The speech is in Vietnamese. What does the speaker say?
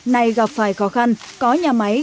nay gặp phải khó khăn có nhà máy